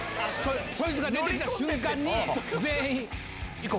そいつが出て来た瞬間に全員。